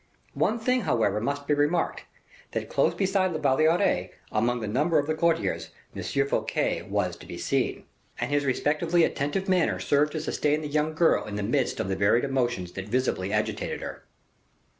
One thing, however, must be remarked, that close beside La Valliere, among the number of the courtiers, M. Fouquet was to be seen; and his respectfully attentive manner served to sustain the young girl in the midst of the varied emotions that visibly agitated her.